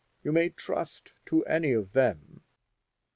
You may trust to any of them.